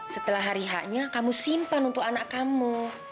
setelah hari haknya kamu simpan untuk anak kamu